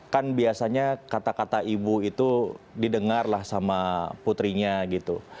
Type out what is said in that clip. kan biasanya kata kata ibu itu didengar lah sama putrinya gitu